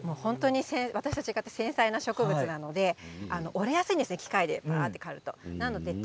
私と違って繊細な植物なので折れやすいんです、機械で刈ると。